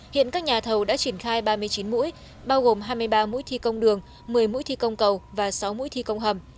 hiện các nhà thầu đã triển khai ba mươi chín mũi bao gồm hai mươi ba mũi thi công đường một mươi mũi thi công cầu và sáu mũi thi công hầm